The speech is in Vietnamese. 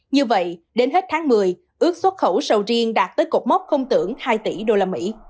như vậy đến hết tháng một mươi ước xuất khẩu sầu riêng đạt tới cột mốc không tưởng hai tỷ usd